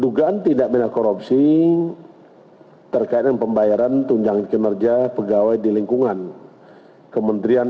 dugaan tindak pindah korupsi terkait penggunaan pembayaran tunjang kinerja pegawai di lingkungan kementerian